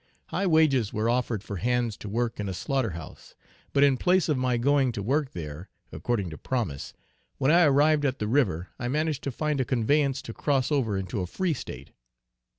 High wages were offered for hands to work in a slaughter house. But in place of my going to work there, according to promise, when I arrived at the river I managed to find a conveyance to cross over into a free state.